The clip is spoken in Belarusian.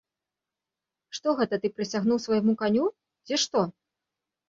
Што гэта ты прысягнуў свайму каню, ці што?